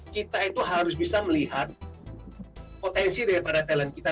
kita itu harus bisa melihat potensi daripada talent kita